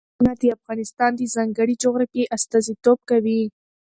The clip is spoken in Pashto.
تالابونه د افغانستان د ځانګړې جغرافیې استازیتوب کوي.